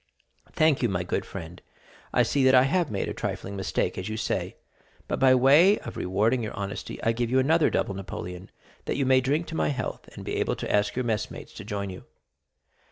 "Thank you, my good friend. I see that I have made a trifling mistake, as you say; but by way of rewarding your honesty I give you another double Napoleon, that you may drink to my health, and be able to ask your messmates to join you."